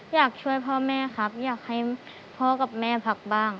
อยากช่วยพ่อแม่ครับอยากให้พ่อกับแม่พักบ้าง